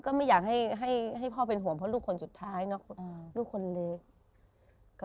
ก็ไม่อยากให้พ่อเป็นห่วงเพราะลูกคนสุดท้ายเนอะลูกคนเล็ก